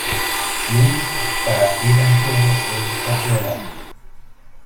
Louis para ir al juego de campeonato.